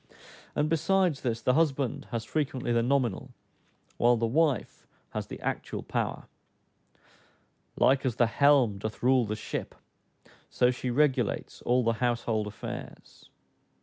And besides this, the husband has frequently the nominal, while the wife has the actual power: "Like as the helme doth rule the shippe," so she regulates all the household affairs.